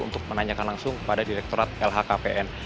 untuk menanyakan langsung kepada direkturat lhkpn